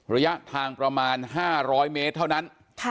ระยะทางประมาณ๕๐๐เมตรเท่านั้น